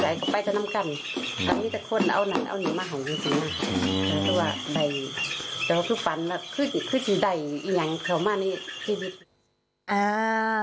เดี๋ยวพูดฟันคือทีใดอย่างเผลอแม่ก็มีในชีวิต